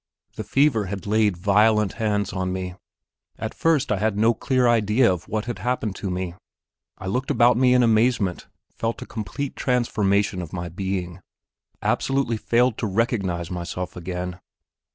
The fever had laid violent hands on me. At first I had no clear idea of what had happened to me; I looked about me in amazement, felt a complete transformation of my being, absolutely failed to recognize myself again.